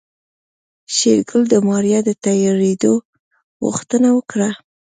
شېرګل د ماريا د تيارېدو غوښتنه وکړه.